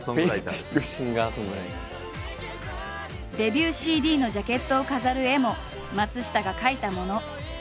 デビューＣＤのジャケットを飾る絵も松下が描いたもの。